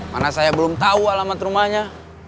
mana saya belum tahu alamat rumahnya